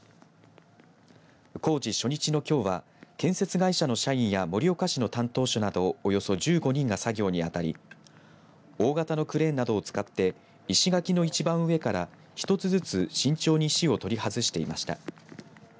工事初日のきょうは建設会社の社員や盛岡市の担当者などおよそ１５人が作業に当たり大型のクレーンなどを使って石垣の一番上から一つずつ慎重に石を取り外していました。